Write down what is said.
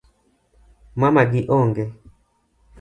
Mamagi onge